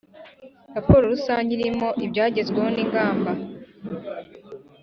Raporo rusange irimo ibyagezweho n’ ingamba